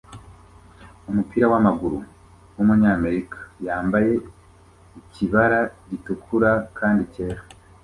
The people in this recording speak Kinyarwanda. Umupira wamaguru wumunyamerika yambaye ikibara gitukura kandi cyera